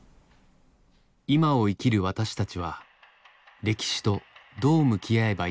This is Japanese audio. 今を生きる私たちは歴史とどう向き合えばいいのか？